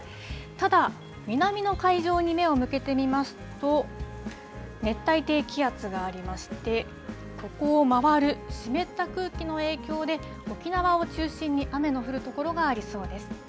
ただ、南の海上に目を向けてみますと、熱帯低気圧がありまして、ここを回る湿った空気の影響で、沖縄を中心に雨の降る所がありそうです。